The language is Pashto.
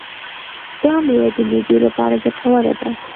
دا مېوه د معدې لپاره ګټوره ده.